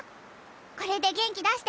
これで元気出して。